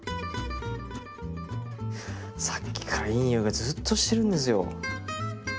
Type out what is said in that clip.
さっきからいい匂いがずうっとしてるんですよ。